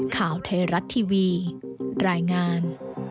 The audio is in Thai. ข่าวเทรัตน์ทีวีรายงาน